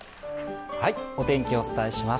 お天気、お伝えします。